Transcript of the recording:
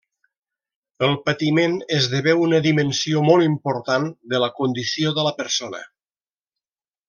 El patiment esdevé una dimensió molt important de la condició de la persona.